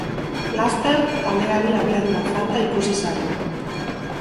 Laster, taldeari abiadura falta ikusi zaio.